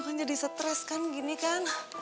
kan jadi stres kan gini kan